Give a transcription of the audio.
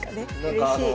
うれしい。